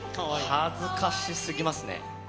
恥ずかしすぎますね。